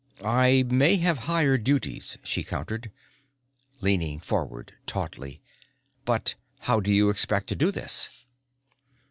"I may have higher duties," she countered. Leaning forward, tautly, "But how do you expect to do this?"